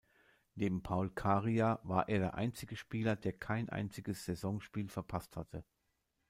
Neben Paul Kariya war er der einzige Spieler, der kein einziges Saisonspiel verpasst hatte.